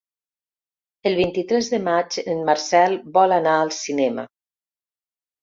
El vint-i-tres de maig en Marcel vol anar al cinema.